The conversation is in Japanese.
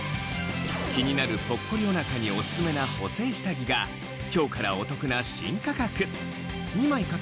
気になるぽっこりおなかにオススメな補整下着が今日からお得な新価格！